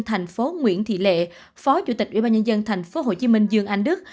tp nguyễn thị lệ phó chủ tịch ubnd tp hồ chí minh dương anh đức